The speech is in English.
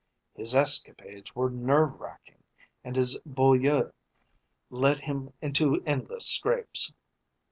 His escapades were nerve racking and his beaux yeux led him into endless scrapes.